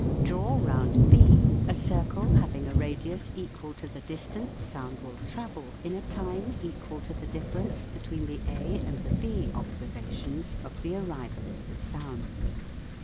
Draw round B a circle having a radius equal to the distance sound will travel in a time equal to the difference between the A and the B observations of the arrival of the sound.